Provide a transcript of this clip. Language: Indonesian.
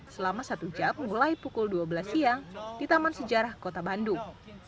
selama satu jam mulai pukul dua belas siang di taman sejarah kota bandung